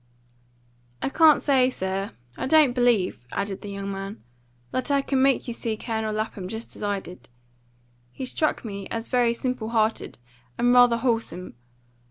"I can't say, sir. I don't believe," added the young fellow, "that I can make you see Colonel Lapham just as I did. He struck me as very simple hearted and rather wholesome.